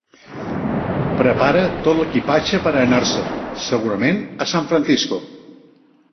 Prepara tot l'equipatge per anar-se'n, segurament a San Francisco.